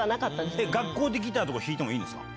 学校でギター弾いてもいいんですか？